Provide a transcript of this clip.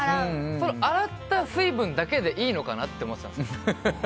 その洗った水分だけでいいのかなって思ってたんですよ。